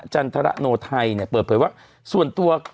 จันทรโนไทยเนี่ยเปิดเผยว่าส่วนตัว